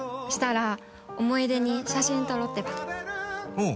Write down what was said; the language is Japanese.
「おう。